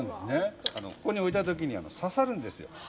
置いた時に刺さるんですよ。